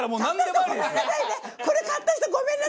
これ買った人ごめんなさいね！